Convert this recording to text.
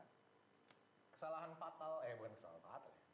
kesalahan fatal eh bukan kesalahan fatal